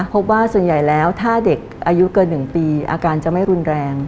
พบว่าส่วนใหญ่แล้วถ้าเด็กอายุเกิน๑ปีอาการจะไม่รุนแรง